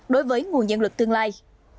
đối với nguồn nhân lực tương lai